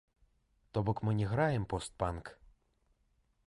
То бок мы не граем пост-панк.